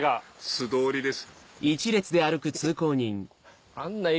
素通りですね。